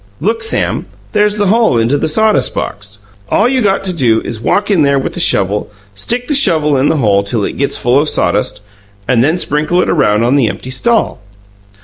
"Look, Sam; there's the hole into the sawdust box! All you got to do is walk in there with the shovel, stick the shovel in the hole till it gets full of sawdust, and then sprinkle it around on the empty stall."